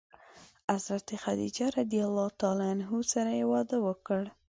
حضرت خدیجه رض سره یې واده وکړ.